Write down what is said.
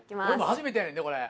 初めてやねんでこれ。